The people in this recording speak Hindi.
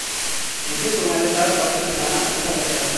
मुझे तुम्हारे साथ वक़्त बिताना अच्छा लगता है।